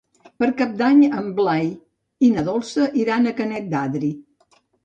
Per Cap d'Any en Blai i na Dolça iran a Canet d'Adri.